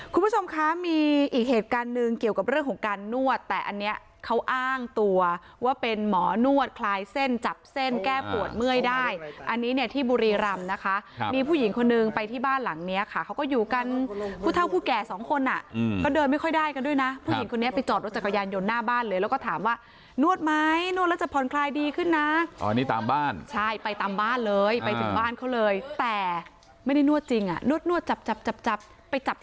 คุณผู้ชมคะมีอีกเหตุการณ์หนึ่งเกี่ยวกับเรื่องของการนวดแต่อันนี้เขาอ้างตัวว่าเป็นหมอนวดคลายเส้นจับเส้นแก้ปวดเมื่อยได้อันนี้เนี่ยที่บุรีรำนะคะมีผู้หญิงคนนึงไปที่บ้านหลังเนี้ยค่ะเขาก็อยู่กันผู้เท่าผู้แก่สองคนอ่ะอืมก็เดินไม่ค่อยได้กันด้วยน่ะผู้หญิงคนนี้ไปจอดรถจักรยานยนต์หน้าบ้านเลยแล้วก็ถามว